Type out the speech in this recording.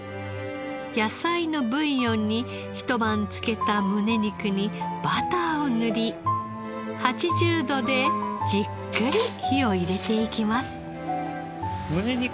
野菜のブイヨンに一晩つけたむね肉にバターを塗り８０度でじっくり火を入れていきます。